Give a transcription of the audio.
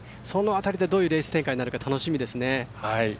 その辺りでどういうレース展開になるか楽しみですね。